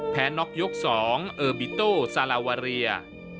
แพ้น็อกยก๒เออร์บิโตซาลาวาเรีย